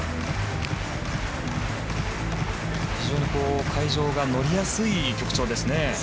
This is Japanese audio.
非常に会場が乗りやすい曲調ですね。